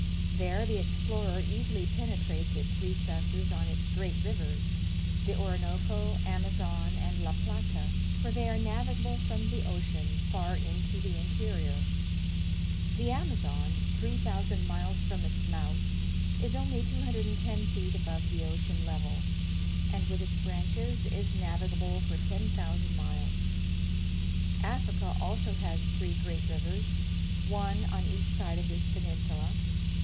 There the explorer easily penetrates its recesses on its great rivers, — the Orinoco, Amazon, and La Plata, — for they are navigable from the ocean far into the interior. The Amazon, 3,000 miles from its mouth, is only 210 feet above the ocean level, and, with its branches, is navigable for 10,000 miles. Africa also has three great rivers, — one on each side of this peninsula.